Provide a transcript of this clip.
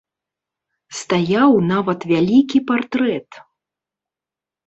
Стаяў нават вялікі партрэт.